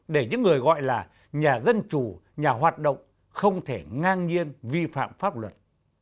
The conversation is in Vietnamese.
để những người gọi là nhà dân chủ nhà hoạt động không thể ngang nhiên vi phạm pháp luật